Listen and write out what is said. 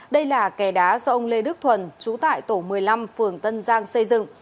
đây là kè đá do ông lê đức thuần trú tại tổ một mươi năm phường tân giang xây dựng